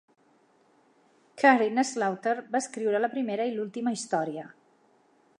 Karin Slaughter va escriure la primera i l'última història.